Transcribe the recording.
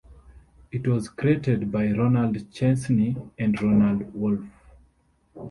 It was created by Ronald Chesney and Ronald Wolfe.